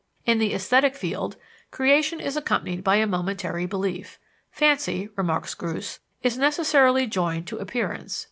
In the esthetic field, creation is accompanied by a momentary belief. Fancy, remarks Groos, is necessarily joined to appearance.